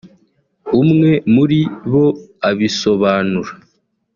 umwe muri bo abisobanura